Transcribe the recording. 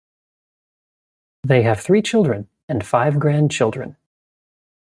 They have three children and five grandchildren.